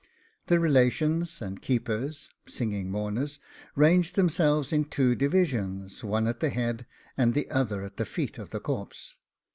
The relations and keepers (SINGING MOURNERS) ranged themselves in two divisions, one at the head, and the other at the feet of the corpse.